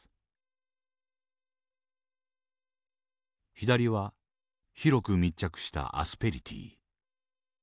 左は広く密着したアスペリティ。